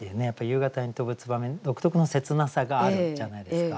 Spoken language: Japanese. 夕方に飛ぶ燕独特の切なさがあるじゃないですか。